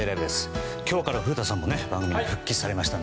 今日から古田さんが番組に復帰されました。